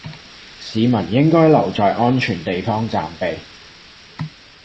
市民應留在安全地方暫避